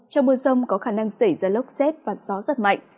trong mưa rông có khả năng xảy ra lốc xét và gió rất mạnh